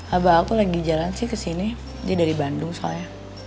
abah aku lagi jalan sih kesini dia dari bandung soalnya